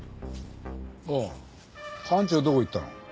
ああ班長どこ行ったの？